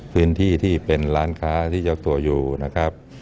ที่เป็นร้านค้าที่เจ้าตัวอยู่นะครับ